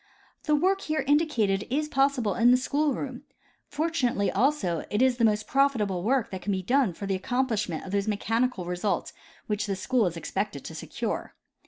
The work here indicated is possible in the school room ; fortu nately also it is the most profitable work that can be done for the accomplishment of those mechanical results which the school is expected to secure.